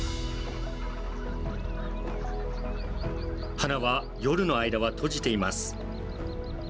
花は夜の間は閉じています。